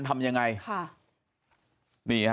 ทำยังไง